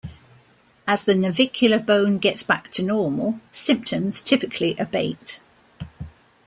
As the navicular bone gets back to normal, symptoms typically abate.